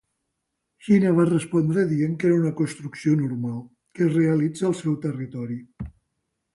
Xina va respondre dient que era una construcció normal, que es realitza al seu territori.